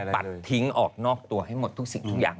ปัดทิ้งออกนอกตัวให้หมดทุกอย่าง